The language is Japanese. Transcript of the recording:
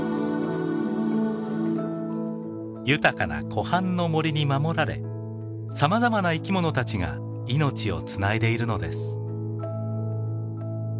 豊かな湖畔の森に守られさまざまな生き物たちが命をつないでいるのです。